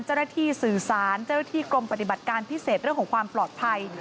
เจ้าหน้าที่สื่อสารเจ้าหน้าที่กรมปฏิบัติการพิเศษเรื่องของความปลอดภัย